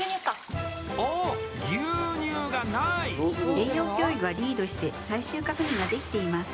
栄養教諭がリードして最終確認ができています。